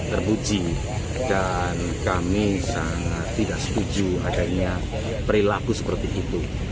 terpuji dan kami sangat tidak setuju adanya perilaku seperti itu